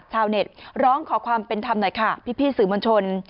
ชาวเน็ตร้องขอความเป็นธรรมหน่อยค่ะพี่สื่อมวลชน